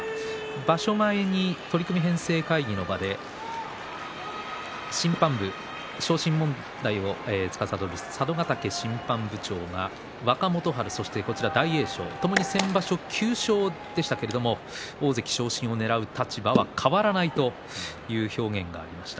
場所前に取組編成会議の場で審判部、昇進問題をつかさどる佐渡ヶ嶽審判部長は若元春、大栄翔、ともに先場所９勝でしたけれども大関昇進をねらう立場は変わらないという表現がありました。